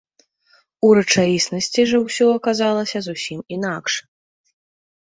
У рэчаіснасці жа ўсё аказалася зусім інакш.